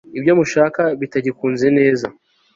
ibyo mushaka bitagikunze neza